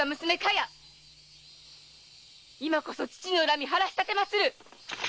今こそ父の恨み晴らしたてまつる！